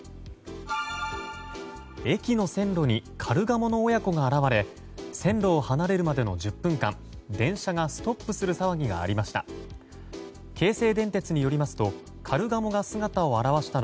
駅の線路にカルガモの親子が現れ線路を離れるまでの１０分間電車がストップする騒ぎがありました。